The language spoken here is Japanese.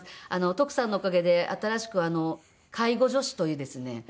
徳さんのおかげで新しく介護助手というですね